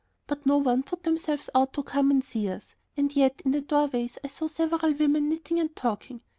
But no one put themselves out to come and see us, and yet in the doorways I saw several women knitting and talking.